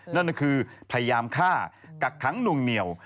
นั่นก็คือพยายามฆ่ากักขังหน่วงเหนียว